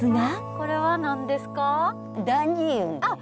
これは何ですか？